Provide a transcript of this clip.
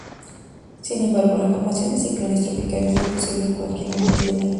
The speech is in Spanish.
Sin embargo, la formación de ciclones tropicales es posible en cualquier momento del año.